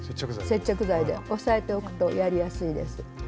接着剤で押さえておくとやりやすいです。